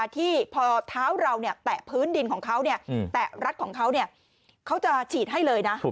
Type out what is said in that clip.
ที่พอเท้าเราแตะพื้นดินของเขาแตะรัดของเขาเขาจะฉีดให้เลยนะ